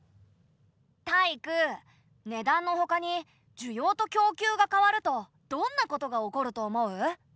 タイイク値段のほかに需要と供給が変わるとどんなことが起こると思う？